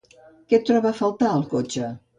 Que troba a faltar el cotxe?